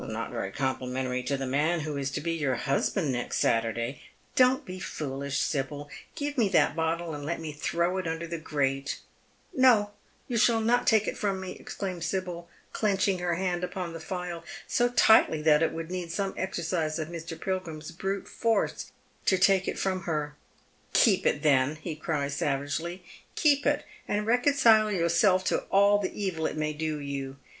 " Not very complimentary to the man who is to be J'our hus ()and next Saturday. Don't be foolish, Sibyl. Give me that bottle, and let me throw it under the grate." " No, you shall not take it from me," exclaims Sibyl, clenching her hand upon the phial, so tightly that it would need some exercise of Mr. Pilgrim's brute force to take it from her. " Keep it tlien," he cries savagely. " Keep it, and reconcile yourself to all the evil it may do you.